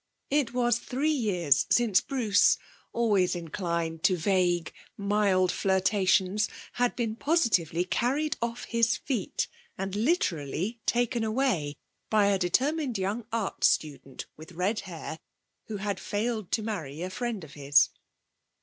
It was three years since Bruce, always inclined to vague, mild flirtations, had been positively carried off his feet, and literally taken away by a determined young art student, with red hair, who had failed to marry a friend of his.